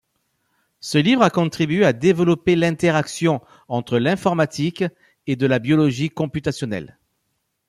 Ce livre a contribué à développer l'interaction entre l'informatique et de la biologie computationnelle.